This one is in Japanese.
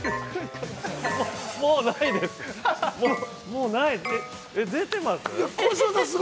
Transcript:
◆もうないです。